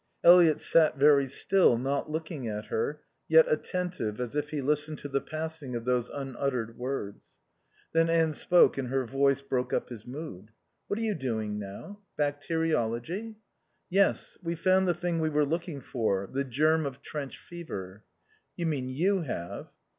Eliot sat very still, not looking at her, yet attentive as if he listened to the passing of those unuttered words. Then Anne spoke and her voice broke up his mood. "What are you doing now? Bacteriology?" "Yes. We've found the thing we were looking for, the germ of trench fever." "You mean you have."